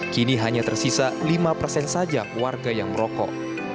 kini hanya tersisa lima persen saja warga yang merokok